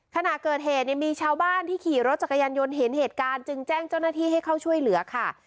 ขณะเกิดเหตุเนี่ยมีชาวบ้านที่ขี่รถจักรยานยนต์เห็นเหตุการณ์จึงแจ้งเจ้าหน้าที่ให้เข้าช่วยเหลือค่ะ